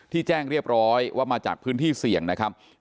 แจ้งเรียบร้อยว่ามาจากพื้นที่เสี่ยงนะครับ